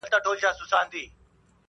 د خپلي مور پوړنی وړي د نن ورځي غازیان!!